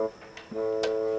kamu mau ke rumah